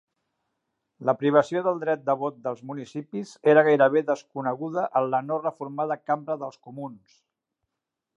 La privació del dret de vot dels municipis era gairebé desconeguda en la no reformada Cambra dels Comuns.